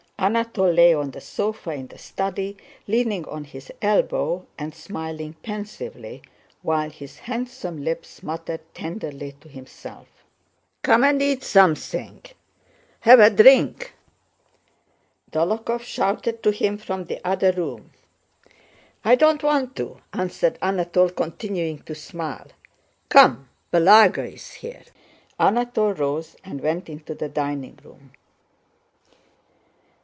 Anatole lay on the sofa in the study leaning on his elbow and smiling pensively, while his handsome lips muttered tenderly to himself. "Come and eat something. Have a drink!" Dólokhov shouted to him from the other room. "I don't want to," answered Anatole continuing to smile. "Come! Balagá is here." Anatole rose and went into the dining room.